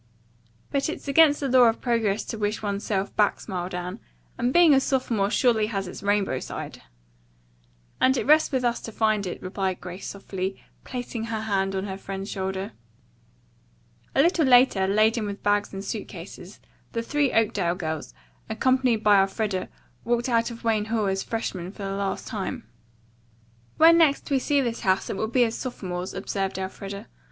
"But it's against the law of progress to wish one's self back," smiled Anne, "and being a sophomore surely has its rainbow side." "And it rests with us to find it," replied Grace softly, placing her hand on her friend's shoulder. A little later, laden with bags and suit cases, the three Oakdale girls, accompanied by Elfreda, walked out of Wayne Hall as freshmen for the last time. "When next we see this house it will be as sophomores," observed Elfreda.